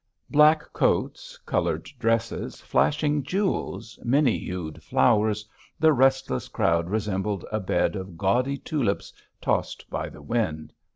Black coats, coloured dresses, flashing jewels, many hued flowers, the restless crowd resembled a bed of gaudy tulips tossed by the wind.